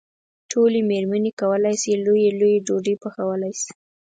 ټولې مېرمنې کولای شي لويې لويې ډوډۍ پخولی شي.